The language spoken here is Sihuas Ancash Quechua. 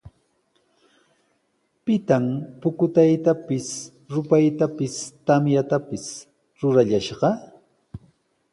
¿Pitaq pukutaypis, rupaypis, tamyatapis rurallashqa?